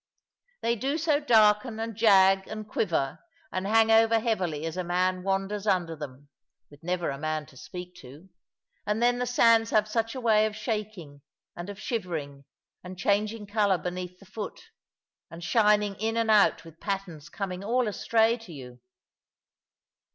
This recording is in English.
They do so darken and jag and quiver, and hang over heavily as a man wanders under them, with never a man to speak to; and then the sands have such a way of shaking, and of shivering, and changing colour beneath the foot, and shining in and out with patterns coming all astray to you!